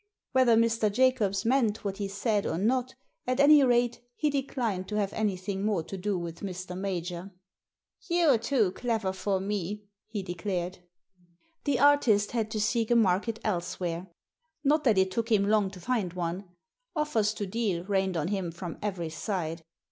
Whether Mr. Jacobs meant what he said or not, at any rate, he declined to have anything more to do with Mr. Major. You're too clever for me !" he declared. The artist had to seek a market elsewhere. Not that it took him long to find one— offers to deal rained on him from every side.